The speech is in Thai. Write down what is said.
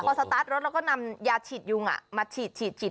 พอสตาร์ทรถเราก็นำยาฉีดยุงมาฉีด